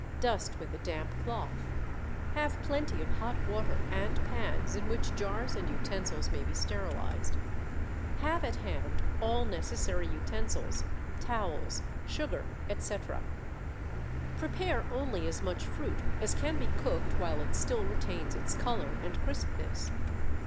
Dust with a damp cloth. Have plenty of hot water and pans in which jars and utensils may be sterilized. Have at hand all necessary utensils, towels, sugar, etc. Prepare only as much fruit as can be cooked while it still retains its color and crispness.